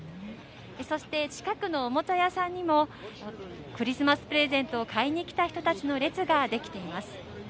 そして、近くのおもちゃ屋さんにも、クリスマスプレゼントを買いに来た人たちの列が出来ています。